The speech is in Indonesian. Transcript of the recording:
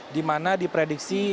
di mana diprediksi